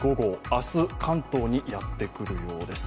明日、関東にやってくるようです。